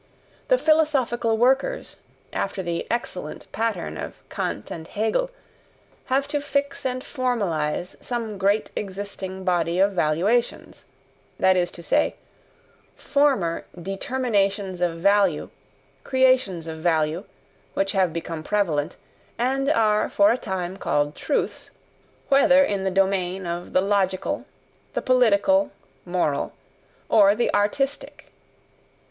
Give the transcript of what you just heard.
The philosophical workers, after the excellent pattern of Kant and Hegel, have to fix and formalize some great existing body of valuations that is to say, former DETERMINATIONS OF VALUE, creations of value, which have become prevalent, and are for a time called "truths" whether in the domain of the LOGICAL, the POLITICAL (moral), or the ARTISTIC.